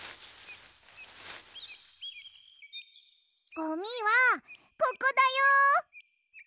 ゴミはここだよ。